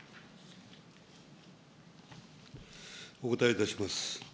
お答えいたします。